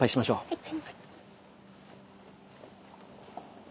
はい。